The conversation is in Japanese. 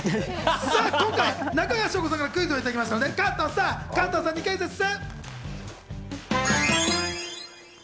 さぁ、今回、中川翔子さんからクイズをいただきましたので、加藤さんにクイズッス！